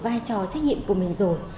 vai trò trách nhiệm của mình rồi